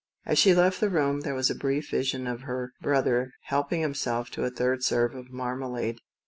As she left the flat, there was a brief vision of Jimmie helping himself to a third serve of marmalade.